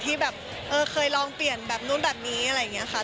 ที่แบบเออเคยลองเปลี่ยนแบบนู้นแบบนี้อะไรอย่างนี้ค่ะ